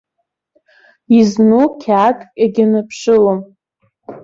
Изну қьаадк иагьаныԥшылом.